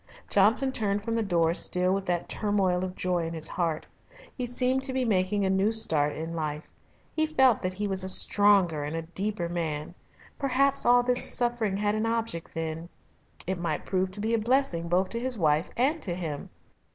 Johnson turned from the door still with that turmoil of joy in his heart. He seemed to be making a new start in life. He felt that he was a stronger and a deeper man. Perhaps all this suffering had an object then. It might prove to be a blessing both to his wife and to him.